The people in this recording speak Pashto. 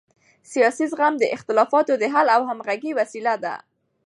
سیاسي زغم د اختلافاتو د حل او همغږۍ وسیله ده